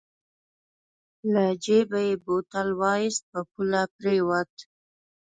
له جېبه يې بوتل واېست په پوله پرېوت.